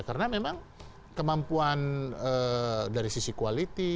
karena memang kemampuan dari sisi quality